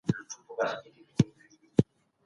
تپلي کتابونه د ټولني وګړي هيڅکله نه لولي.